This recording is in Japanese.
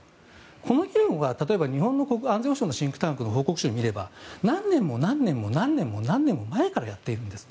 この議論は例えば日本の安全保障のシンクタンクの報告書を見れば何年も、何年も前からやっているんです。